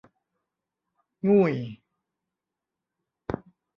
งู่ย